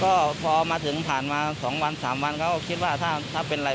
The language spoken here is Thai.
ก็พอมาถึงผ่านมาสองวันสามวันเขาก็คิดว่าถ้าถ้าเป็นไร